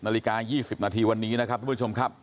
นาฬิกา๒๐นาทีวันนี้นะครับทุกผู้ชมครับ